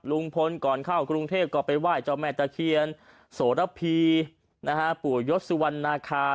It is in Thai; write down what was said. ลุงพลก่อนเข้ากรุงเทพก็ไปไหว้เจ้าแม่ตะเคียนโสระพีปู่ยศสุวรรณาคา